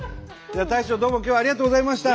大将どうも今日はありがとうございました。